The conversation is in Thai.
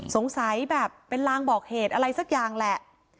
สงสัยแบบเป็นลางบอกเหตุอะไรสักอย่างแหละ